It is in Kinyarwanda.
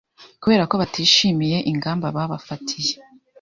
Kuberako batishimiye ingamba babafatiye